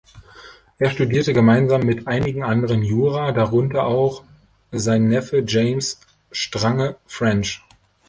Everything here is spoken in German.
Er studierte gemeinsam mit einigen anderen Jura, darunter auch sein Neffe James Strange French.